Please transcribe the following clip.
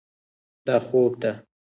دا خوب ده.